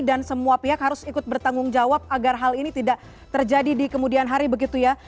dan semua pihak harus ikut bertanggung jawab agar hal ini tidak terjadi di kemudian hari begitu ya